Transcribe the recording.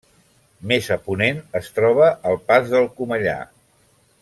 Més a ponent es troba el Pas del Comellar.